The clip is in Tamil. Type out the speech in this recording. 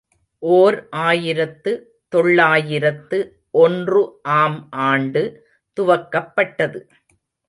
ஓர் ஆயிரத்து தொள்ளாயிரத்து ஒன்று ஆம் ஆண்டு துவக்கப்பட்டது.